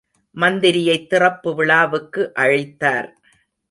மந்திரியைத் திறப்புவிழாவுக்கு அழைத்தார்.